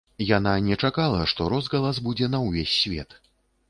Яна не чакала, што розгалас будзе на ўвесь свет.